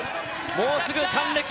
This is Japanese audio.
もうすぐ還暦。